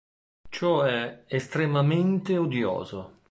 Ciò è estremamente odioso.